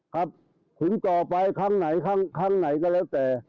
ครับถึงต่อไปครั้งไหนครั้งไหนก็แล้วแต่